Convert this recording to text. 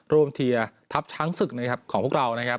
รวมเทียร์ทัพช้างศึกของพวกเรา